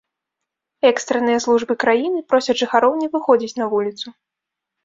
Экстранныя службы краіны просяць жыхароў не выходзіць на вуліцу.